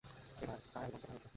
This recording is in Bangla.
এবার কার অ্যালবাম কেনা হয়েছে?